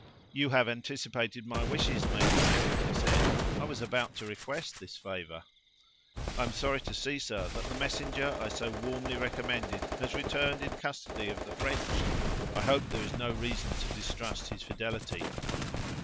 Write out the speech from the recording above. "You have anticipated my wishes, Major Heyward," he said; "I was about to request this favor." "I am sorry to see, sir, that the messenger I so warmly recommended has returned in custody of the French! I hope there is no reason to distrust his fidelity?"